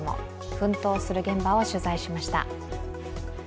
奮闘する現場を取材しました。